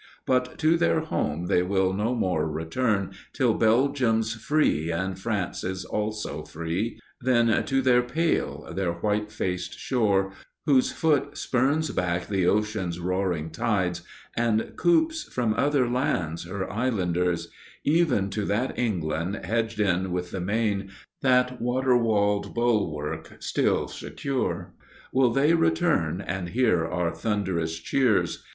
But to their home they will no more return Till Belgium's free and France is also free; Then to their pale, their white faced shore, Whose foot spurns back the ocean's roaring tides And coops from other lands her islanders Even to that England, hedged in with the main, That water walled bulwark still secure, Will they return and hear our thunderous cheers.